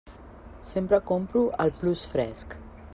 Sempre compro al Plus Fresc.